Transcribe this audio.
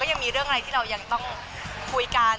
ยังมีเรื่องอะไรที่เรายังต้องคุยกัน